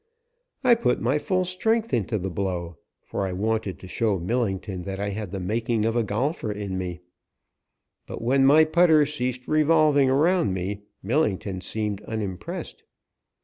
I put my full strength into the blow, for I wanted to show Millington that I had the making of a golfer in me; but when my putter ceased revolving around me Millington seemed unimpressed.